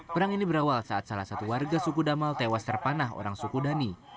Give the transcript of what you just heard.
perang ini berawal saat salah satu warga suku damal tewas terpanah orang suku dhani